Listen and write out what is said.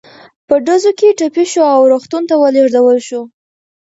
په ډزو کې ټپي شو او روغتون ته ولېږدول شو.